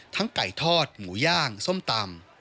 ไก่ทอดหมูย่างส้มตำ